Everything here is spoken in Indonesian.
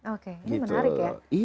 oke ini menarik ya